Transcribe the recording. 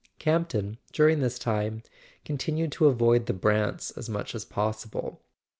Campton, during this time, continued to avoid the Brants as much as possible.